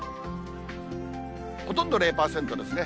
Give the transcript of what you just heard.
ほとんど０％ですね。